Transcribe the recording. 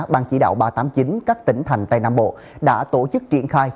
ban chỉ đạo ba trăm tám mươi chín các tỉnh thành tây nam bộ đã tổ chức triển khai